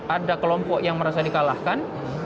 ada kelompok yang merasa di kalahkan